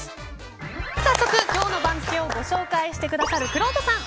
早速今日の番付をご紹介してくださるくろうとさん